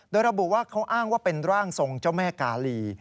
โดยระบุว่าเขาอ้างว่าเป็นร่างทรงเจ้าแม่กาลี